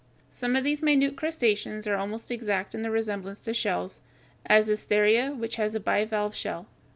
] Some of these minute crustaceans are almost exact in their resemblance to shells, as Estheria which has a bivalve shell.